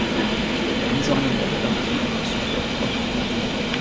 La mise en œuvre de l'article se fait en trois temps.